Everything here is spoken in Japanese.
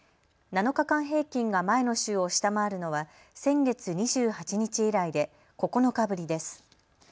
７日間平均が前の週を下回るのは、先月２８日以来で、９日ぶりです。